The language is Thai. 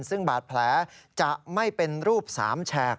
ซึ่งบาดแผลจะไม่เป็นรูป๓แฉก